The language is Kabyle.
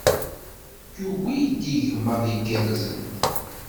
Yuwi-d igmaḍ igerrzen.